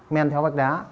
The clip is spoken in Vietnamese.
men theo vách đá